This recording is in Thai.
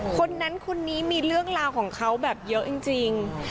คนนั้นคนนี้มีเรื่องราวของเขาแบบเยอะจริง